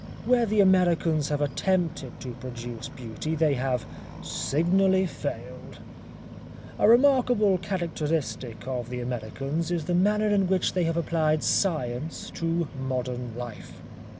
Where the Americans have attempted to produce beauty they have signally failed. A remarkable characteristic of the Americans is the manner in which they have applied science to modern life.